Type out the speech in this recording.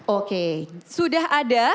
oke sudah ada